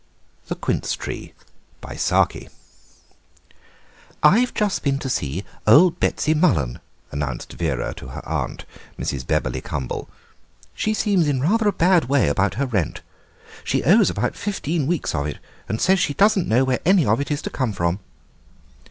THE QUINCE TREE "I've just been to see old Betsy Mullen," announced Vera to her aunt, Mrs. Bebberly Cumble; "she seems in rather a bad way about her rent. She owes about fifteen weeks of it, and says she doesn't know where any of it is to come from."